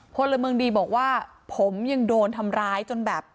พลเมืองดีบอกว่าผมยังโดนทำร้ายจนแบบ